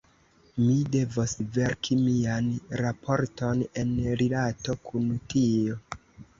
Mi devos verki mian raporton en rilato kun tio.